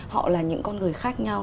họ là những con người khác nhau